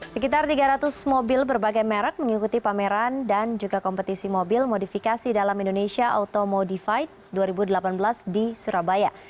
sekitar tiga ratus mobil berbagai merek mengikuti pameran dan juga kompetisi mobil modifikasi dalam indonesia automodified dua ribu delapan belas di surabaya